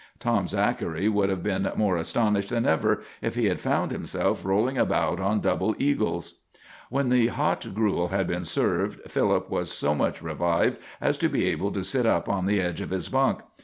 Tom Zachary would have been more astonished than ever if he had found himself rolling about on double eagles. When the hot gruel had been served, Philip was so much revived as to be able to sit up on the edge of his bunk.